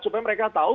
supaya mereka tahu